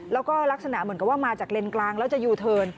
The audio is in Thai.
แล้วก็ลักษณะเหมือนกับว่ามาจากเลนกลางแล้วจะยูเทิร์น